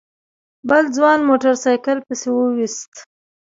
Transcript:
بل ځوان موټر سايکل پسې ويست.